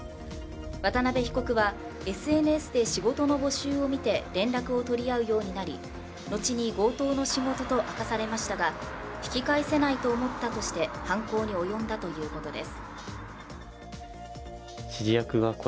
渡邉被告はＳＮＳで仕事の募集を見て連絡を取り合うようになり、後に強盗の仕事と明かされましたが、引き返せないと思ったとして犯行に及んだということです。